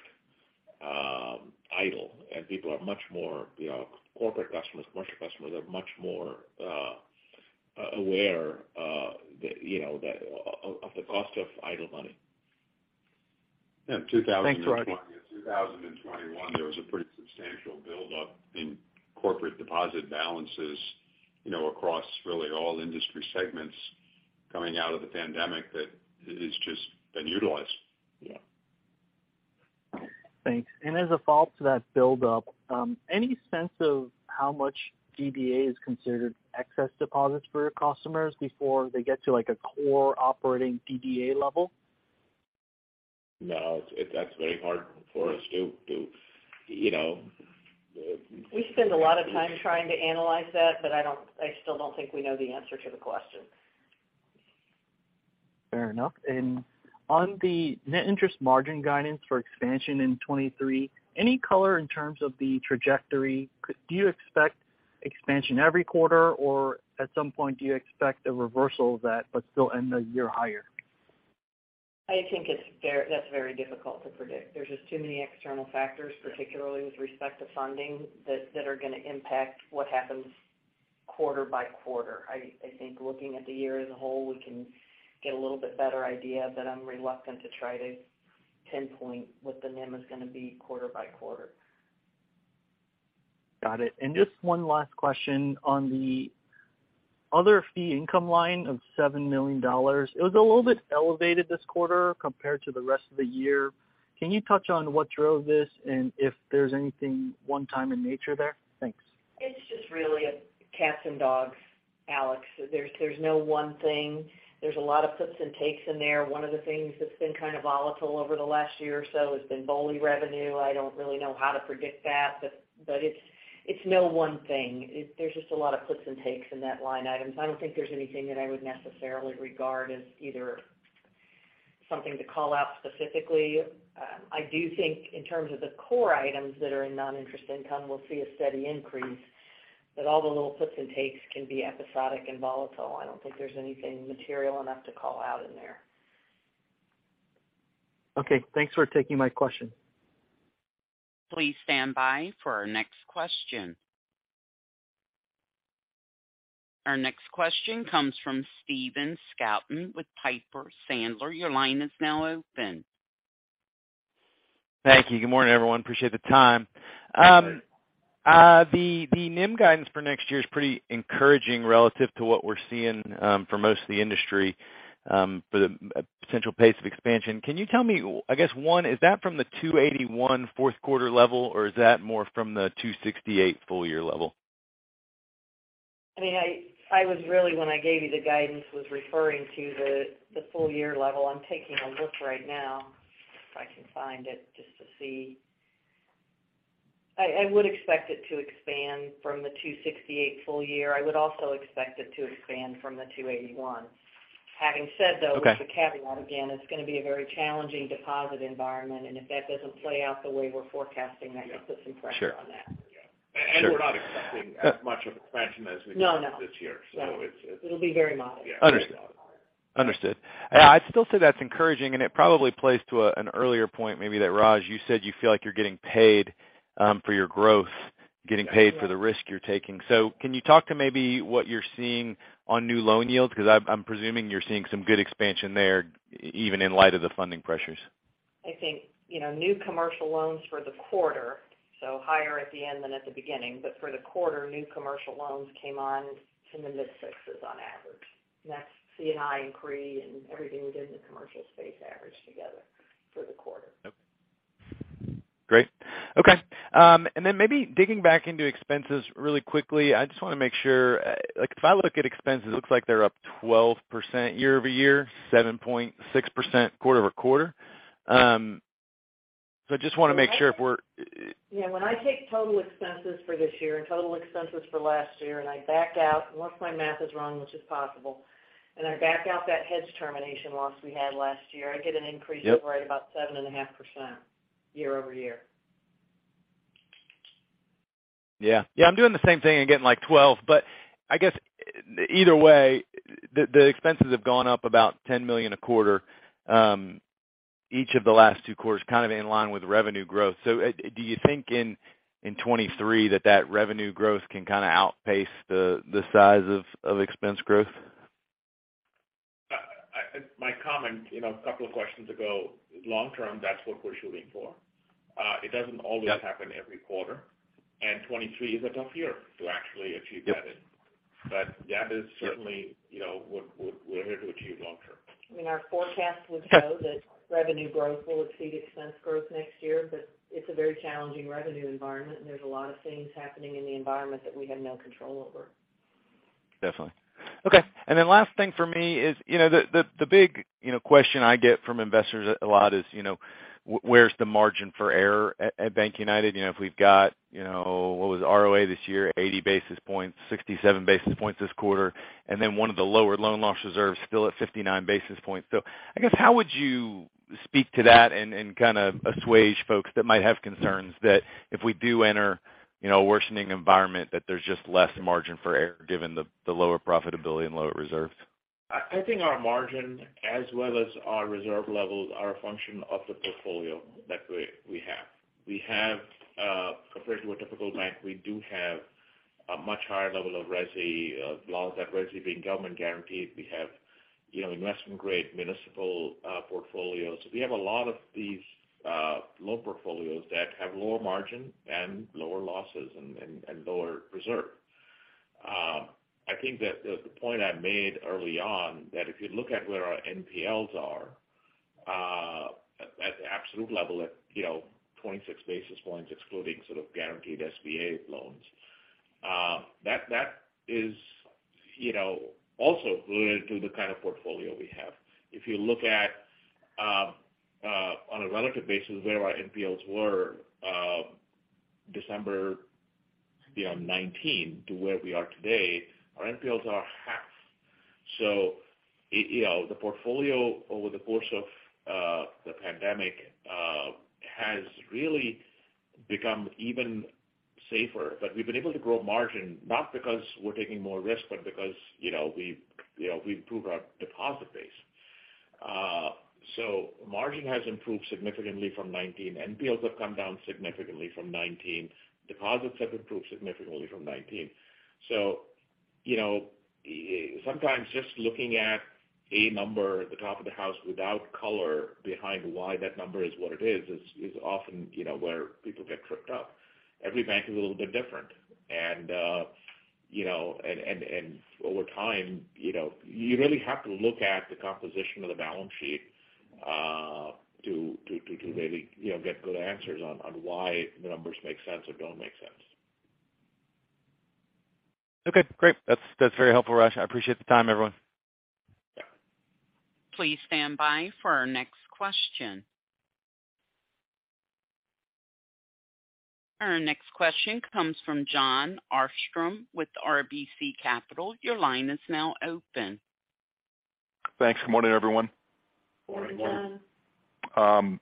idle, and people are much more, you know, corporate customers, commercial customers are much more aware that, you know, that of the cost of idle money. Thanks, Rod. Yeah. 2020 to 2021, there was a pretty substantial buildup in corporate deposit balances, you know, across really all industry segments coming out of the pandemic that has just been utilized. Yeah. Thanks. As a follow-up to that buildup, any sense of how much DDA is considered excess deposits for your customers before they get to, like, a core operating DDA level? No. That's very hard for us to, you know. We spend a lot of time trying to analyze that, but I still don't think we know the answer to the question. Fair enough. On the net interest margin guidance for expansion in 2023, any color in terms of the trajectory? Do you expect expansion every quarter or at some point, do you expect a reversal of that but still end the year higher? I think that's very difficult to predict. There's just too many external factors, particularly with respect to funding that are gonna impact what happens quarter by quarter. I think looking at the year as a whole, we can get a little bit better idea, but I'm reluctant to try to pinpoint what the NIM is gonna be quarter by quarter. Got it. Just one last question on the other fee income line of $7 million. It was a little bit elevated this quarter compared to the rest of the year. Can you touch on what drove this and if there's anything one time in nature there? Thanks. It's just really a cats and dogs, Alex. There's no one thing. There's a lot of puts and takes in there. One of the things that's been kind of volatile over the last year or so has been BOLI revenue. I don't really know how to predict that, but it's no one thing. There's just a lot of puts and takes in that line item. I don't think there's anything that I would necessarily regard as either something to call out specifically. I do think in terms of the core items that are in non-interest income, we'll see a steady increase, but all the little puts and takes can be episodic and volatile. I don't think there's anything material enough to call out in there. Okay, thanks for taking my question. Please stand by for our next question. Our next question comes from Stephen Scouten with Piper Sandler. Your line is now open. Thank you. Good morning, everyone. Appreciate the time. The NIM guidance for next year is pretty encouraging relative to what we're seeing for most of the industry for the potential pace of expansion. Can you tell me, I guess, one, is that from the 2.81% fourth quarter level, or is that more from the 2.68% full year level? I mean, I was really when I gave you the guidance, was referring to the full year level. I'm taking a look right now, if I can find it just to see. I would expect it to expand from the 268 full year. I would also expect it to expand from the 281. Having said though. Okay. With the caveat, again, it's gonna be a very challenging deposit environment. If that doesn't play out the way we're forecasting, that could put some pressure on that. Sure. We're not expecting as much of expansion as we did this year. No, no. It's. It'll be very mild. Yeah. Understood. Understood. I'd still say that's encouraging, and it probably plays to a, an earlier point maybe that, Raj, you said you feel like you're getting paid, for your growth, getting paid for the risk you're taking. Can you talk to maybe what you're seeing on new loan yields? Because I'm presuming you're seeing some good expansion there even in light of the funding pressures. I think, you know, new commercial loans for the quarter, so higher at the end than at the beginning. For the quarter, new commercial loans came on in the mid-sixes on average. That's C&I inquiry and everything we did in the commercial space averaged together for the quarter. Great. Okay. Maybe digging back into expenses really quickly. I just wanna make sure, like, if I look at expenses, it looks like they're up 12% year-over-year, 7.6% quarter-over-quarter. I just wanna make sure. Yeah, when I take total expenses for this year and total expenses for last year, and I back out, unless my math is wrong, which is possible, and I back out that hedge termination loss we had last year, I get an increase of right about 7.5% year-over-year. Yeah. Yeah, I'm doing the same thing and getting, like, 12. I guess either way, the expenses have gone up about $10 million a quarter, each of the last two quarters, kind of in line with revenue growth. Do you think in 2023 that revenue growth can kinda outpace the size of expense growth? I my comment, you know, a couple of questions ago, long term, that's what we're shooting for. It doesn't always happen every quarter, and 23 is a tough year to actually achieve that in. That is certainly, you know, what we're here to achieve long term. I mean, our forecast would show that revenue growth will exceed expense growth next year, but it's a very challenging revenue environment, and there's a lot of things happening in the environment that we have no control over. Definitely. Okay. Last thing for me is, you know, the big, you know, question I get from investors a lot is, you know, where's the margin for error at BankUnited? You know, if we've got, you know, what was ROA this year, 80 basis points, 67 basis points this quarter, and then one of the lower loan loss reserves still at 59 basis points. I guess, how would you speak to that and kind of assuage folks that might have concerns that if we do enter, you know, a worsening environment, that there's just less margin for error given the lower profitability and lower reserves? I think our margin as well as our reserve levels are a function of the portfolio that we have. We have compared to a typical bank, we do have a much higher level of resi loans, that resi being government guaranteed. We have, you know, investment grade municipal portfolios. We have a lot of these loan portfolios that have lower margin and lower losses and lower reserve. I think that the point I made early on that if you look at where our NPLs are at the absolute level at, you know, 26 basis points, excluding sort of guaranteed SBA loans, that is, you know, also related to the kind of portfolio we have. If you look at on a relative basis where our NPLs were December 2019 to where we are today, our NPLs are half. The portfolio over the course of the pandemic has really become even safer, but we've been able to grow margin, not because we're taking more risk, but because we've improved our deposit base. Margin has improved significantly from 2019. NPLs have come down significantly from 2019. Deposits have improved significantly from 2019. Sometimes just looking at a number at the top of the house without color behind why that number is what it is often where people get tripped up. Every bank is a little bit different. You know, and over time, you know, you really have to look at the composition of the balance sheet, to really, you know, get good answers on why the numbers make sense or don't make sense. Okay, great. That's very helpful, Raj. I appreciate the time, everyone. Please stand by for our next question. Our next question comes from Jon Arfstrom with RBC Capital. Your line is now open. Thanks. Good morning, everyone. Morning, Jon.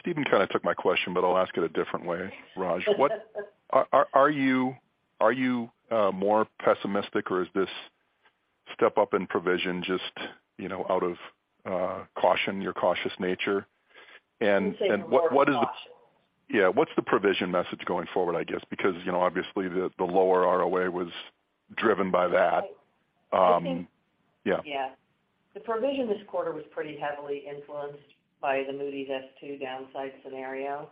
Steven kind of took my question, but I'll ask it a different way, Raj. Are you more pessimistic, or is this step up in provision just, you know, out of caution, your cautious nature? Would say more caution. Yeah. What's the provision message going forward, I guess? You know, obviously the lower ROA was driven by that. Yeah. Yeah. The provision this quarter was pretty heavily influenced by the Moody's S two scenario.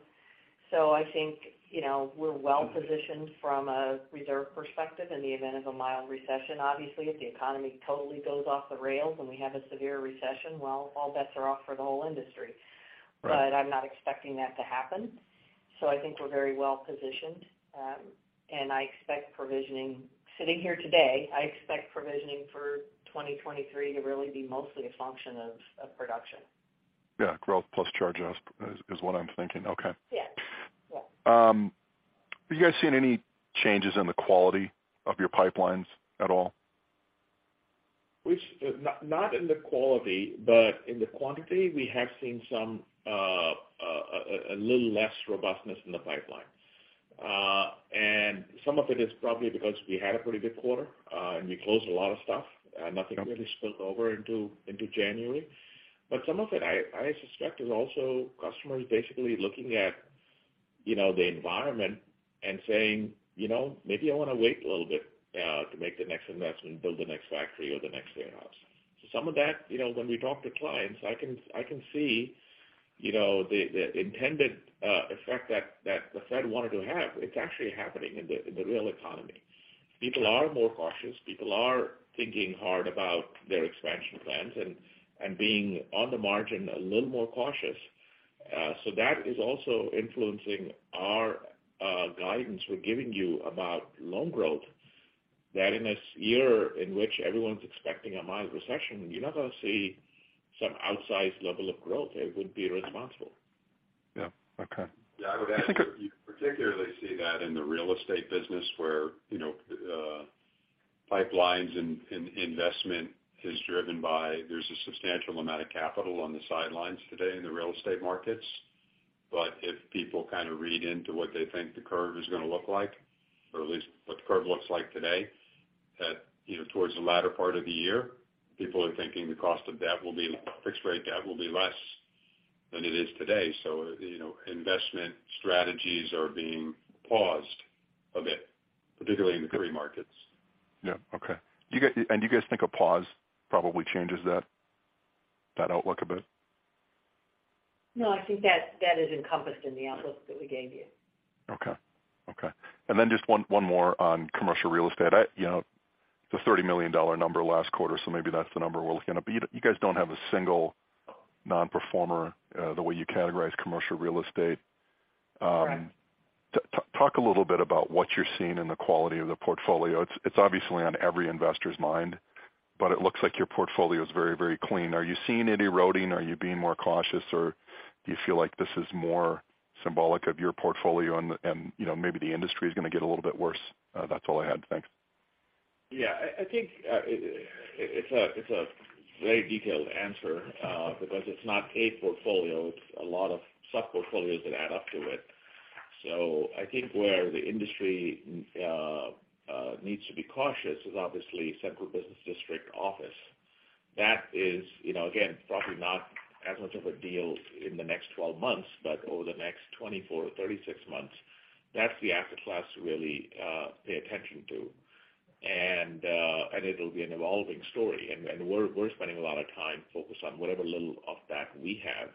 I think, you know, we're well-positioned from a reserve perspective in the event of a mild recession. Obviously, if the economy totally goes off the rails and we have a severe recession, well, all bets are off for the whole industry. Right. I'm not expecting that to happen. I think we're very well-positioned. Sitting here today, I expect provisioning for 2023 to really be mostly a function of production. Yeah, growth plus charge-offs is what I'm thinking. Okay. Yes. Yes. Have you guys seen any changes in the quality of your pipelines at all? Which, not in the quality, but in the quantity, we have seen some, a little less robustness in the pipeline. Some of it is probably because we had a pretty good quarter, and we closed a lot of stuff. Nothing really spilled over into January. Some of it, I suspect, is also customers basically looking at, you know, the environment and saying, "You know, maybe I wanna wait a little bit, to make the next investment, build the next factory or the next data warehouse." Some of that, you know, when we talk to clients, I can, I can see, you know, the intended effect that the Fed wanted to have. It's actually happening in the, in the real economy. People are more cautious. People are thinking hard about their expansion plans and being on the margin a little more cautious. That is also influencing our guidance we're giving you about loan growth. That in this year in which everyone's expecting a mild recession, you're not gonna see some outsized level of growth. It wouldn't be responsible. Yeah. Okay. I would add, you particularly see that in the real estate business where, you know, pipelines and investment is driven by there's a substantial amount of capital on the sidelines today in the real estate markets. If people kind of read into what they think the curve is gonna look like, or at least what the curve looks like today, at, you know, towards the latter part of the year, people are thinking the cost of debt fixed rate debt will be less than it is today. You know, investment strategies are being paused a bit, particularly in the three markets. Yeah. Okay. You guys think a pause probably changes that outlook a bit? No, I think that that is encompassed in the outlook that we gave you. Okay. Okay. Then just one more on commercial real estate. I, you know, it's a $30 million number last quarter, so maybe that's the number we're looking at. You, you guys don't have a single non-performer, the way you categorize commercial real estate. Right. Talk a little bit about what you're seeing in the quality of the portfolio. It's obviously on every investor's mind, but it looks like your portfolio is very, very clean. Are you seeing it eroding? Are you being more cautious, or do you feel like this is more symbolic of your portfolio and, you know, maybe the industry is gonna get a little bit worse? That's all I had. Thanks. I think it's a, it's a very detailed answer, because it's not a portfolio, it's a lot of sub-portfolios that add up to it. I think where the industry needs to be cautious is obviously central business district office. That is, you know, again, probably not as much of a deal in the next 12 months, but over the next 24, 36 months, that's the asset class to really pay attention to. It'll be an evolving story. We're spending a lot of time focused on whatever little of that we have.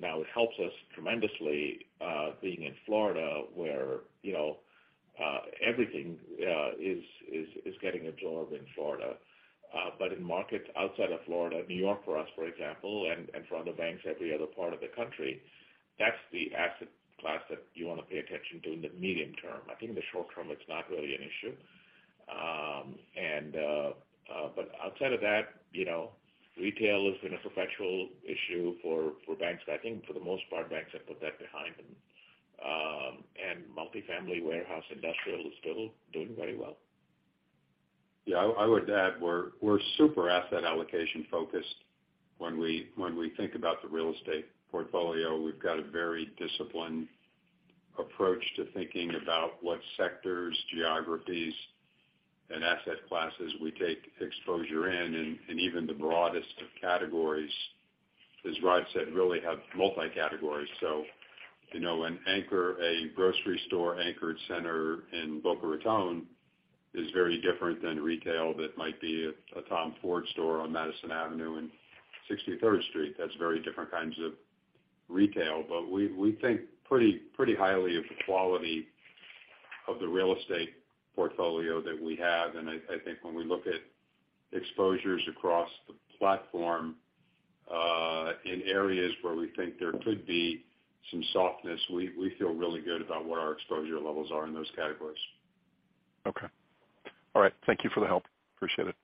Now it helps us tremendously, being in Florida, where, you know, everything is getting absorbed in Florida. In markets outside of Florida, New York, for us, for example, and for other banks, every other part of the country, that's the asset class that you wanna pay attention to in the medium term. I think in the short term, it's not really an issue. Outside of that, you know, retail has been a perpetual issue for banks. I think for the most part, banks have put that behind them. Multifamily warehouse industrial is still doing very well. I would add we're super asset allocation focused when we think about the real estate portfolio. We've got a very disciplined approach to thinking about what sectors, geographies, and asset classes we take exposure in. Even the broadest of categories, as Raj said, really have multi-categories. You know, an anchor, a grocery store-anchored center in Boca Raton is very different than retail that might be a Tom Ford store on Madison Avenue and 63rd Street. That's very different kinds of retail. We think pretty highly of the quality of the real estate portfolio that we have. I think when we look at exposures across the platform, in areas where we think there could be some softness, we feel really good about what our exposure levels are in those categories. Okay. All right. Thank you for the help. Appreciate it.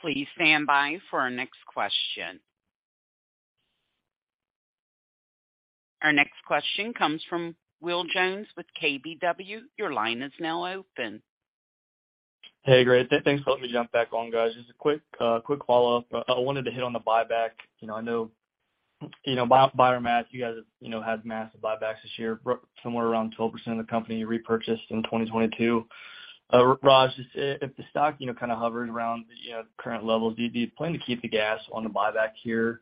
Please stand by for our next question. Our next question comes from Will Jones with KBW. Your line is now open. Hey, great. Thanks for letting me jump back on, guys. Just a quick follow-up. I wanted to hit on the buyback. You know, I know, you know, buybacks, you guys, you know, had massive buybacks this year, somewhere around 12% of the company repurchased in 2022. Raj, if the stock, you know, kind of hovers around the, you know, current levels, do you plan to keep the gas on the buyback here?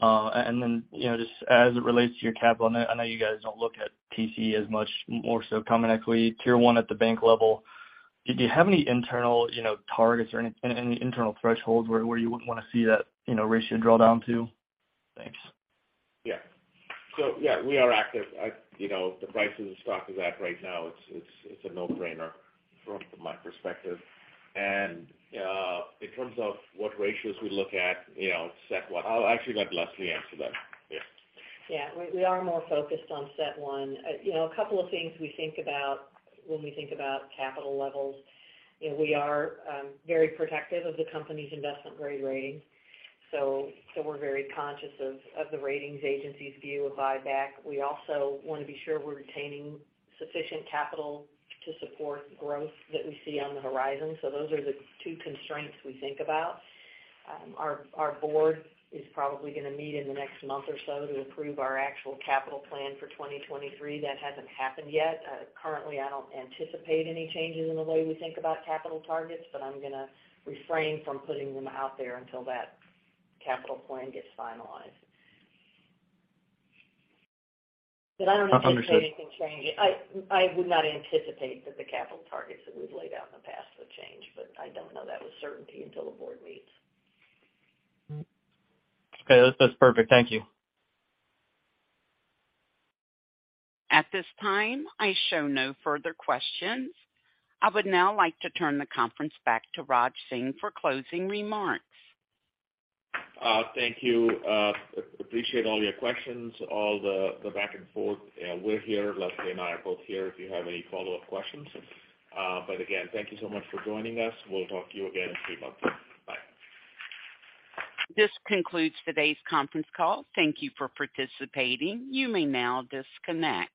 You know, just as it relates to your capital on it, I know you guys don't look at TCE as much more so Common Equity Tier 1 at the bank level. Did you have any internal, you know, targets or any internal thresholds where you would wanna see that, you know, ratio draw down to? Thanks. Yeah, we are active. You know, the price of the stock is at right now, it's a no-brainer from my perspective. In terms of what ratios we look at, you know, I'll actually let Leslie answer that. Yeah. Yeah. We are more focused on CET1. You know, a couple of things we think about when we think about capital levels, you know, we are very protective of the company's investment-grade rating. We're very conscious of the ratings agency's view of buyback. We also wanna be sure we're retaining sufficient capital to support growth that we see on the horizon. Those are the two constraints we think about. Our board is probably gonna meet in the next month or so to approve our actual capital plan for 2023. That hasn't happened yet. Currently, I don't anticipate any changes in the way we think about capital targets, but I'm gonna refrain from putting them out there until that capital plan gets finalized. I don't anticipate anything changing. I would not anticipate that the capital targets that we've laid out in the past would change. I don't know that with certainty until the board meets. Okay, that's perfect. Thank you. At this time, I show no further questions. I would now like to turn the conference back to Raj Singh for closing remarks. Thank you. Appreciate all your questions, all the back and forth. We're here, Leslie and I are both here if you have any follow-up questions. Again, thank you so much for joining us. We'll talk to you again in three months. Bye. This concludes today's conference call. Thank you for participating. You may now disconnect.